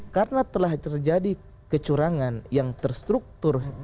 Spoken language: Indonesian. karena telah terjadi kecurangan yang terstruktur